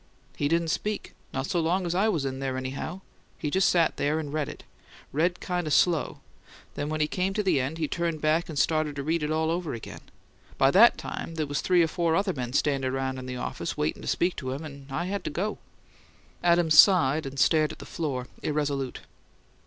"He didn't speak. Not so long I was in there, anyhow. He just sat there and read it. Read kind of slow. Then, when he came to the end, he turned back and started to read it all over again. By that time there was three or four other men standin' around in the office waitin' to speak to him, and I had to go." Adams sighed, and stared at the floor, irresolute.